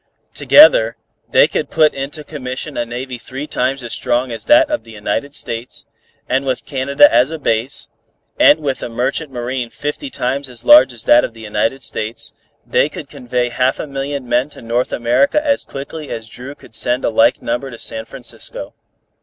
Together, they could put into commission a navy three times as strong as that of the United States, and with Canada as a base, and with a merchant marine fifty times as large as that of the United States, they could convey half a million men to North America as quickly as Dru could send a like number to San Francisco.